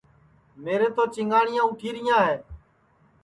میرے تِو چِنگاٹِؔیاں اُوٹھِیرِیاں ہے